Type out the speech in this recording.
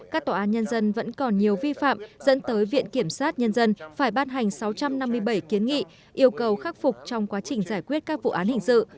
các tòa án nhân dân vẫn còn nhiều vi phạm dẫn tới viện kiểm sát nhân dân phải bát hành sáu trăm năm mươi bảy kiến nghị yêu cầu khắc phục trong quá trình giải quyết các vụ án hình sự